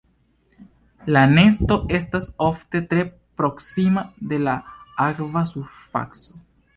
La nesto estas ofte tre proksima de la akva surfaco.